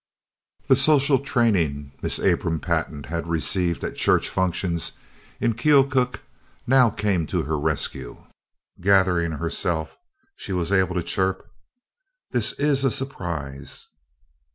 The social training Mrs. Abram Pantin had received at church functions in Keokuk now came to her rescue. Gathering herself, she was able to chirp: "This is a surprise!"